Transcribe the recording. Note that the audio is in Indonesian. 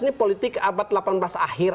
ini politik abad delapan belas akhir